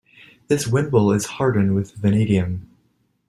This wimble is hardened with vanadium.